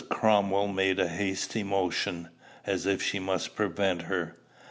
Cromwell made a hasty motion, as if she must prevent her.